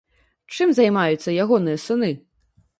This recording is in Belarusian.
Чым займаюцца ягоныя сыны?